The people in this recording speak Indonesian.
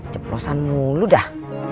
jeplosan mulu dah